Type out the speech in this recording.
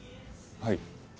はい。